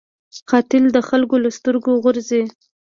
قاتل د خلکو له سترګو غورځي